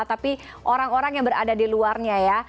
tapi orang orang yang berada di luarnya ya